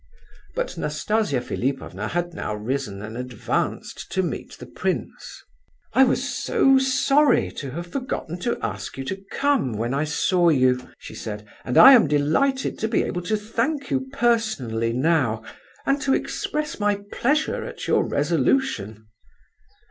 But Nastasia Philipovna had now risen and advanced to meet the prince. "I was so sorry to have forgotten to ask you to come, when I saw you," she said, "and I am delighted to be able to thank you personally now, and to express my pleasure at your resolution."